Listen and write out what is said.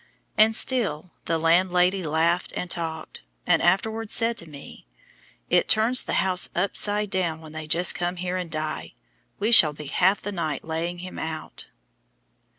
And still the landlady laughed and talked, and afterwards said to me, "It turns the house upside down when they just come here and die; we shall be half the night laying him out."